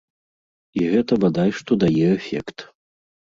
І гэта бадай што дае эфект.